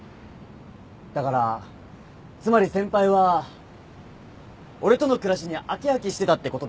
だからつまり先輩は俺との暮らしに飽き飽きしてたってことですよね？